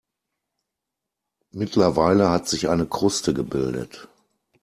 Mittlerweile hat sich eine Kruste gebildet.